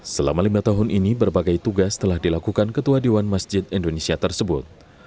selama lima tahun ini berbagai tugas telah dilakukan ketua dewan masjid indonesia tersebut